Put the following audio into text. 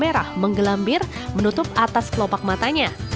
merah menggelambir menutup atas kelopak matanya